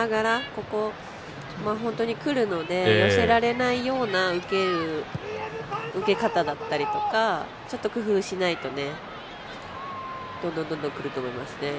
ここ本当にくるので寄せられないような受け方だったりとかちょっと工夫しないとどんどんどんどんくると思います。